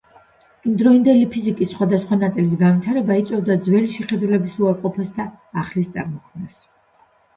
იმდროინდელი ფიზიკის სხვადასხვა ნაწილის განვითარება იწვევდა ძველი შეხედულების უარყოფას და ახალის წარმოქმნას.